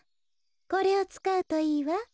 これをつかうといいわ。